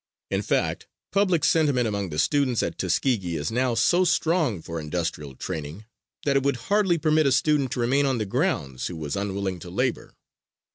In fact, public sentiment among the students at Tuskegee is now so strong for industrial training that it would hardly permit a student to remain on the grounds who was unwilling to labor.